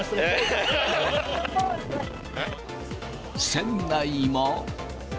船内も。